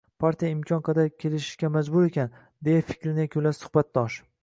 Partiya imkon qadar kelishishga majbur ekan, deya fikrini yakunlaydi suhbatdosh.